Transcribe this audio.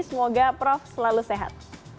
semoga prof selalu sehat